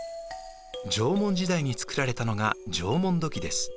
縄文時代に作られたのが縄文土器です。